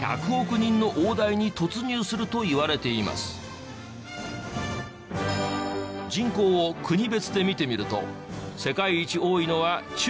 人口を国別で見てみると世界一多いのは中国ですが。